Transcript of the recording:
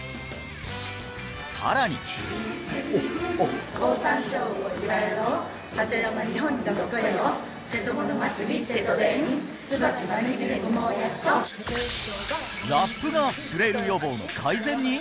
さらにラップがフレイル予防の改善に！？